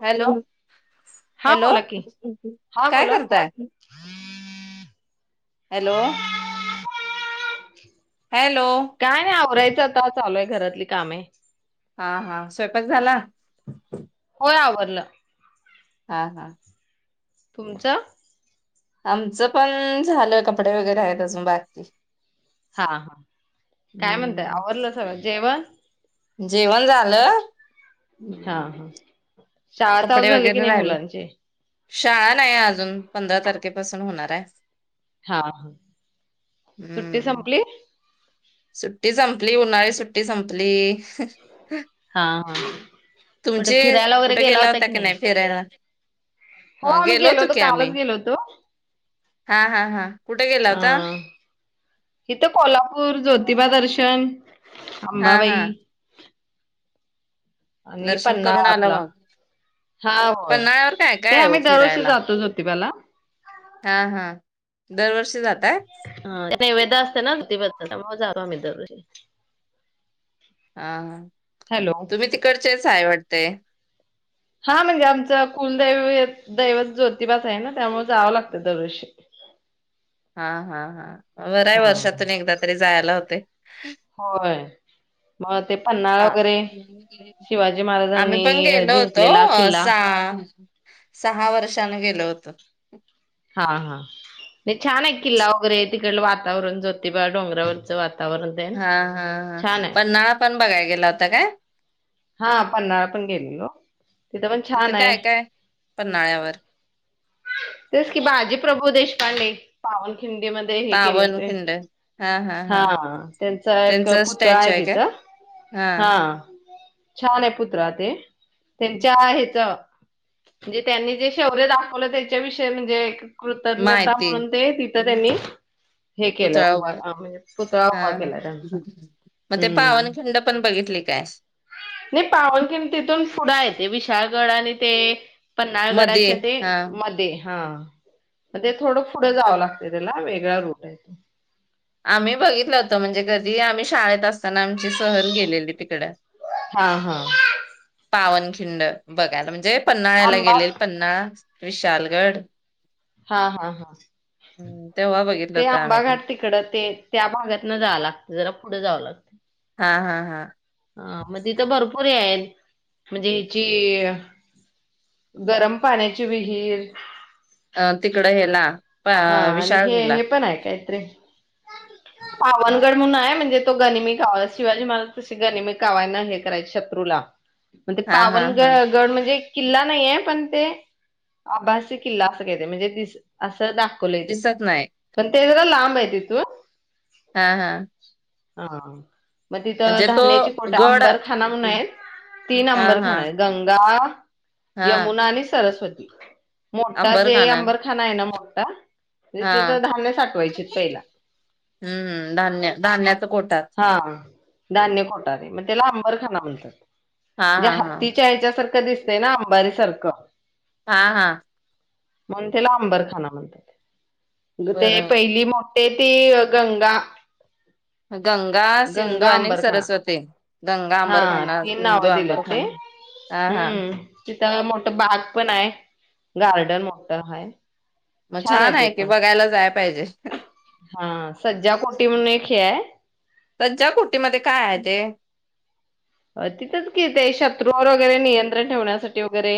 Hello- हा hello बोला की हा काय बोला करताय [inaudible] हॅलो हॅलो काय नाही आवराय'--' त- ता चालू आहे घरातली कामे हा हा स्वयपाक झाला [inaudible] - [unintelligible] आवरलं हा हा तुमचं [inaudible] आमचं पण -झालंय कपडे वगैरे आहेत अजून बाकी हा हा काय म्हणतय हम्म आवरलं सगळं जेवण [inaudible] जेवण झालं हा हम्म, हा [inaudible] शाळा चालू कपडे झाली की वगैरे नाही राहिले मुलांची शाळा नाही अजून पंधरा तारखेपासून हुनार हाय हा [unintelligible] सुट्टी हम्म संपली सुट्टी संपली उन्हाळी सुट्टी संपली [unintelligible] हा हा तुमचे कुठे गेला होता की नाही फिरायला हो अ, मी गेलो होतो की आम्ही कालच गेलो होतो हा हा हा कुठे गेला होता अं इथं कोल्हापूर ज्योतिबा दर्शन [inaudible] हा अंबाबाई हा आणि दर्शन पन्नाळा करून आलं आपला मग हा होय पन्हाळ्यावर काय [inaudible] ते काय आहे आम्ही दरवर्षी जातो जोतिबाला हा हा दरवर्षी जाताय ह त्या नैवेद्य [inaudible] असते ना जोतिबा चा त्यामुळ जातो आम्ही दरवर्षी हा हा हॅलो. तुम्ही तिकडचेच हाय वाटतय हा म्हणजे आमच कुलदैव- दैवत ज्योतिबाचआहे ना त्यामुळे जावं लागतं दरवर्षी हा- हा- हा बरंय हा. वर्षातून एकदा तरी जायला होतय होय मग ते पन्नाळा [inaudible] हां. वगैरे शिवाजी आम्ही महाराजांनी पण गेलो होतो जिंकलेला अ, किल्ला सहा वर्षांन गेलं होतो हा हा नाही छान आहे किल्ला वगैरे तिकड वातावरण जोतेिबा डोंगरावरचं वात '--' हा- हा- हा पण ना पण '--' बघायला [unintelligible] गेला होता काय हा पन्नाळा पण गेलेलो तिथ पण तिथं छान हाय [inaudible] काय-काय? पन्हाळ्यावर तेच कि बाजी प्रभू देश [inaudible] प [unintelligible] पावन खिंडी मध्ये हे केले ते पावनखिंड. हां, हां, '--' हा हां. त्यांचा एक पुतळा आहे तिथं हां, हा छान आहे पुत्र ते त्यांच्या ह्याच म्हणजे त्यांनी जे शौर्य दाखवलं त्याच्या विषयी म्हणजे कृतज्ञता माहिती. म्हणून ते तिथं हम्म. त्यांनी हे केलं उभ म्हणजे पुतळा उभा हां, हां. केला त्यांचा मग ते हम्म. पावनखिंड पण बघितली काय? नाही पावल किन तिथून पुड येते विशाळगड आणि ते मध्ये पननाळगडाच्या ते हा मध्ये हा म ते थोडं पुढं जावं लागत त्याला वेगळा रूट आहे. तो आम्ही बघितलं होतो म्हणजे कधी आम्ही शाळेत असतो. सण आमची सहल गेलेली तिकड हा हा पावनखिंड बघायला म्हणजे पन्ना यायला आंबा गेलेल पन्नास विशालगढ हा हा हा तेव्हा बघितलं ते होतं आम्ही ते आंबाघाट तिकड ते त्या भागात न जावं लागते जरा पुढे जावं लागत. बी हा हा हा ह मग तिथ भरपूर येयल म्हणजे हची गरम पाण्याची विहीर अ तिकड हेला हा अ आणि हे विशाळगडला हे पण आहे काय. पावनगड म्हणून आहे. म्हणजे तो गनिमी कावा शिवाजी मला तशी गनिमी कावाय ना हे करायच शत्रूला म्हण तेे हा हा पावन ग हा गड म्हणजे किल्ला नाहीे पण ते आभासी किल्ला असं का म्हणजे दिस अस स द दिसत नाही. ते्र लांब येतव हा हा हा मग तिथं म्हणजे तो धान्याची खट गड अंबरखाना म्हून आहेत तीन हा हा अंबरखाना आहेत गंगा हा यमुना आणि सरस्वती न मोठा जे अंबरखाना आहे नाठ हा पहिला हम्म धान्य धान्याचा कोठात हा धान्य खोटे मग त्याला अंबरखाना म्हणतात. हा ्या हा हा हत्तीच्या या्याच्यासारख्या दिसतय ना अंबारी सारखं हा हा. म्हण त्याला अंबरखाना म्हण. मग ते बरोबर पहिली मो ते त गंगा गंगा सिंधू गंगा आणि अंबरखाना सरस्वती गंगा हा आंबरखाना तीन नाव हंदू दिलेत ते आंबरखाना हा हा. हम्म मोठं बाग पण आहे गार्डन मोठं हा. मग छान आहे की बघायला जाय पाहिजे हा सज्जा कोटी म्हणून एक हे आहे सच्या कुटीमध्ये काय आहे ते अ तिथेच कि ते शत्रूवर वगैरे नियंत्रण ठेवण्यासाठी वगैरे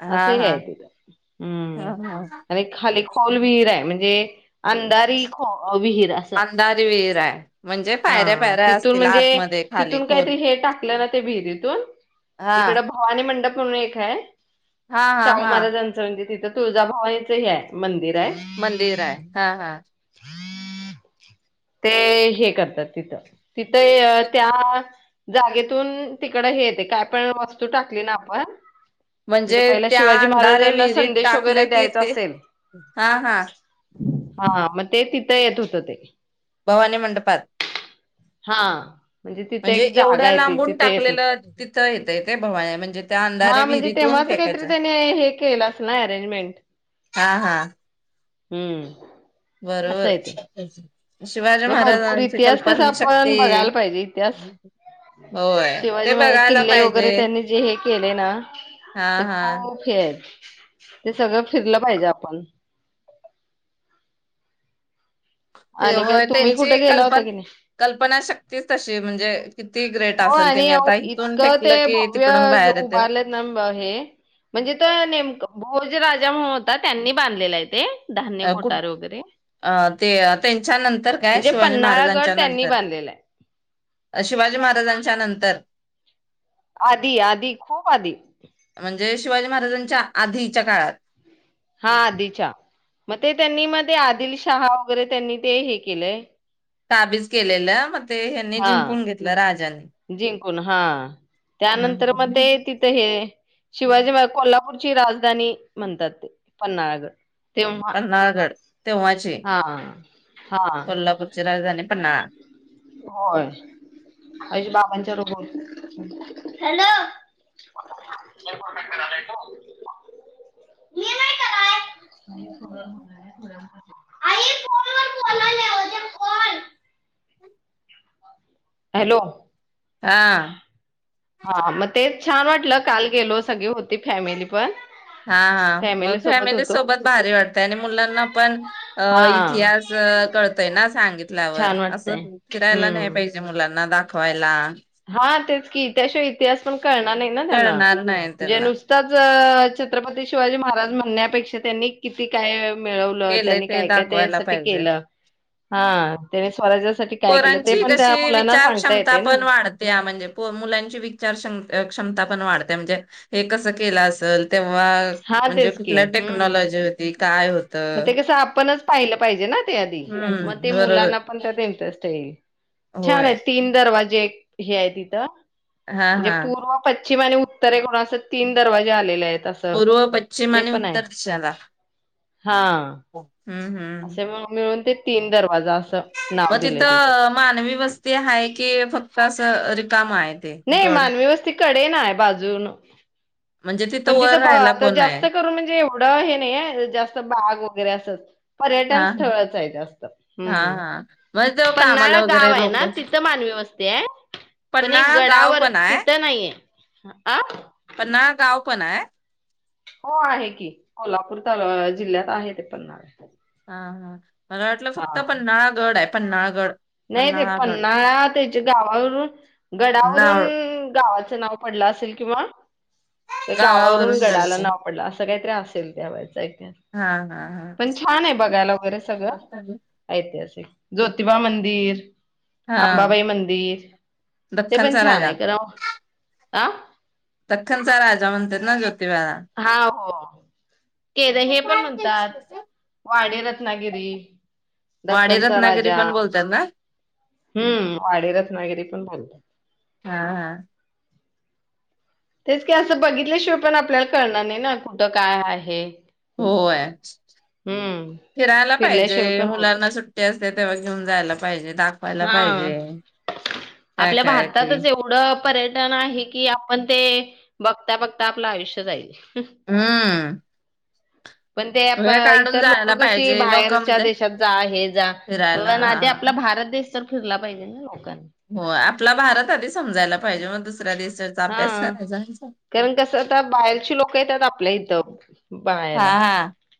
हा असं ह हा आहे तिला हम्म ह आणि खाली खोल विहीर आहे म्हणजे ते अंदरही ख अंधार विर आहे म्हणजे पायऱ्या पायऱ्या असतील आतमध्ये खाली खोल कायतरी हेटा ना ते भहिरीतून हा इकड भवानी मंडप. कोण एक है हा हा शाहू हा महाराजांचं म्हणजे तिथं तुळजाभवानीच ह आहे मंदिर आहे मंदिर हाय हा हा. ते हे करतात तिथं तिथं त्या जागेतून तिकड हे येते काय पण वस्तू टाकली ना आपण म्हणजे पहिला त्या शिवाजी अंधारे महाराजांना विहिरीत संदेश वगैरे टाकलं की द्यायचा ते असेल हा हा. हा मग तिथं ते येत होतं. भवानी मंडपात हा. तिथे म्हणजे एक जागा एवढ्या आहे ती लांबून तिथे येत होत टाकलेलं तिथं येतय ते भवाने म्हणजे त्या अंधऱ्या हा म्हणजे विहिरीतून तेव्हाच फेकायचं काहीतरी त्याने हे केलंच ना अरेंजमेंट हा हा. हम्म. असं आहे बरोबर. ते शिवाजी नाही भरपूर महाराजांची इतिहास कस कल्पना आपण शक्ती बघायला पाहिजे इतिहास होय ते शिवाजी म बघायला किल्ले पाहिजे वगैरे त्यांनी जे हे केले ना हा ते हा खूप हे आहेत. ते सगळं फिरलं पाहिजे आपण. आणि काय तुम्ही कुठे त्यांची गेला होता कल्पना की नाही कल्पना तीच तशी म्हणजे किती? ग्रेट हो असेल आणि त्याने आता इथून इतकं ते फेकलं की भव्य तिकडून बाहेर येते उभारलंत ना हे म्हणजे तर नेमक. हो जे राजा म्हणून होता त्यांनी बांधलेला आहे ते धान्य अ कुठ कोठार वगैरे अ ते त्यांच्या नंतर काय म्हणजे शिवाजी पन्हाळा गड महाराजांच्या त्यांनी नंतर बांधलेला आहे शिवाजी महाराजां च्या नंतर आधी आधी खूप आधी जय शिवाजी महाराजांच्या आधीच्या काळात हा आधीच्या मग ते त्यांनी मग ते आदिल शहा वगैरे त्यांनी ते हे केलंय ताबीज केलेलं मग ते यांनी हा जिंकून घेतलं राजांनी जिंकून हा त्यानंतर मग हम्म ते तिथं हे शिवाजी म कोल्हापूरची राजधानी म्हणतात ते पन्हाळा गड पन्हाळा गड हा हा कोल्हापूरची राजधानी पन्हाळा होय आशी बाबांच्या रप हॅलो मी नाही कराय आई फोन वर बोलायल्या हॅलो हा हा मग तेच छान वाटलं काल गेलो सगळी होती फॅमिली पण हा हा मग फॅमिली सोबत भारी वाटतेय आणि मुलांना पण अ हा इतिहास कळतोय ना सांगितल्यावर छान वाटतय असं फिरायला नाही हम्म पाहिजे मुलांना दा खवायला हा तेच की त्याशिवाय इतिहास पण कळणार नाही त्यांना कळणार नाही जे त्यांना नुसतेच छत्रपती शिवाजी महाराज म्हणण्यापेक्षा त्यांनी किती काय मिळवलं केले त्यांनी ते काय काय दाखवायला त्यासाठी पाहिजे केलं हा त्याने स्वराज्या पोरांची कशी विचार क्षमता येते ना पण वाढते त्या म्हणजे मुलांची विचार क्षमता पण वाढते म्हणजे हे कस केलं असेल हा म्हणजे तेच की कुठल्या हम्म टेक्नॉलॉजी होती काय होत मग ते कसं आपणच पाहिलं पाहिजे ना ते आधी मग बरोबर मुलाना पण इंटरेस्ट येईल होय छान आहेत तीन दरवाजे े हे आहे तिथं हा म्हणजे हा पूर्व प पश्चिम आणि उत्तरे कोणा अस तीन दरवाजे आले आहेत तस पूर्व पश्चिम आणि उत्तर दिशाला हा हम्म हम्म असे म मिळून ते तीन दरवाजा. असं नाव मग दिलंय तिथं मानवी वस्ती हाय की फक असं रिकामं आहे. ते नाही गड मनावी वस्ती कडेन आहे बाजूनं. म्हणजे पण वर तिथं राहायला आता कोण आहे जास्त करून म्हणजे एवढ हे नाही जास्त बाग वगैरे असंच. पर्यटन हा स्थळच आहे जास्त हा हम् हा मग ते पन्हाळा कामाला गाव वगैरे आहे लोक ना तिथं मानवी वस्ती आहे, पण एक पन्हाळा गाव गडावर पण आहे तिथं नाहीय. ह आ पन्हाळा गाव पण आहे. हो आहे की कोल्हापूर त अ जिल्ह्यात आहे ते पन्हाळा. हा हा मला वाटलं फक्त हा पन्हाळागड आहे. पन्हाळागड. नाही ते पन्हाळा त्याच्या गावावरून नाव गडावरून गावाच नाव पडलं असेल किंवा, ते गावावरून गडाला नाव पडलं असं काही असेल त्या वेळचा हा हा हा पण छान आहे बघायला वगैरे सगळं ऐतिहास ज्योतिबा मंदि दिर हा अंबाबाई मंदिर ते पण दख्खनचा छान राजा आहे क आ दख्खनचा राजा म्हणतात ना जो हा हो [inaudible] हे पण म्हणतात वाडी रत्नागिरी. वाडी दख्खनचा रत्नागिरी राजा पण बोलतात ना हम्म वाडी रत्नागिरी पण बोलतात. हा हा तेच की असं बघितल्याशिवाय पण आपल्याला कळणार नाही ना. कुठं काय आहे? होयच हम्म फिरायला पाहिजे फिरल्याशिवाय पण होत मुलांना सुट्टी असते तेव्हा घेऊन जायला पाहिजे दाखवायला हा पाहिजे काय आपल्या काय तरी भारतातच एवढं पर्यटन आहे की आपण ते बघता बघता आपलं आयुष्य जाईल. हम्म पण ते आप वेळ काढून इतर लोक जायला कशी पाहिजे लोक बाहेरच्या म्हणतात देशात जा हे जा फिरायला पण आधी आपला भारत दे तर फिरला पाहिजे ना लोकांनी. हो आपला भारत आधी समजायला पाहिजे मग दुसऱ्या दे हा कारण कसं आता बाहेरची लोकं येतात आपल्या इथं. [inaudible]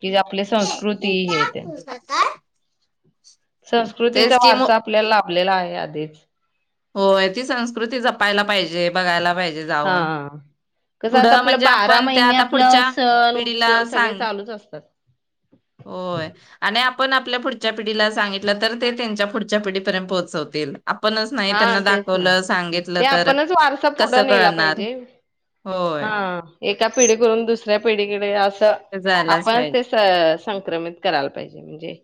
कि आपली संस्कृती हे ते संस्कृतीचा तेच कि मग वारसा आपल्याला लाभलेला आहे आध [inaudible] हो ती संस्कृती जपायला पाहिजे बघायला पाहिजे. हा जाऊन कसं आता पुढं आपलं म्हणजे बारा आपण त्या महिने आता आपलं पुढच्या सण पिढीला उत्सव सगळे सांग चालूच असतात. होय आणि आपण आपल्या पुढच्या पिढीला सांगितलं तर ते त्यांच्या पुढच्या पिढीपर्यंत पोहोचवतील. आपणच नाही हा त्यांना तेच ना दाखवलं ते सांगितलं तर आपणच वारसा कसं पुढं नेला कळणार पाहिजे होय. हा एका पिढी कडून दुसर पिढीडे तर ते जायलाच आपणच पाहिजे ते संक्रमित करायला पाहिजे म्हणजे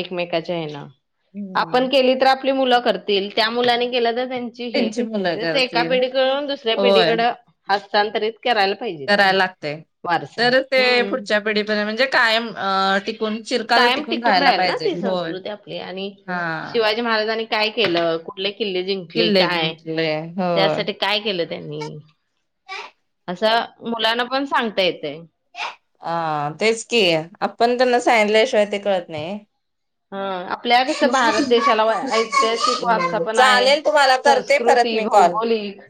एकमेकाच्या हेन हम्म आपण केली तर आपली मुलं करत तन ते त्या मुलाने केलं तर त्यांची मुलं जसं एका करतील पिढीकडून दुसऱ्या होय पिढीकडं हस्तांतरित करायला पाहिजे ती करायला लागते वारसा तर ते हम्म पुढच्या पिढीपर्यंत म्हणजे कायम- टिकून चिरकाल कायम टिकून राहायला राहील ना पाहिजे ती होय. संस्कृती आपली आणि हा शिवाजी महाराजांनी काय केलं कुठले किल्ले जिंकले किल्ले काय जिंकले होय. त्यासाठी काय केलं. त्यांनी असं मुलांना पण सांगतायेत. अ तेच कि आपण तर नस सांगीतल्याशिवाय ते कळत नाही. हा आपल्या कसं भारत देशाला ऐतिहासिक वारसा पण आहे चालेल तुम्हाला करते परत संस्कृती मी कॉल. भौगोलिक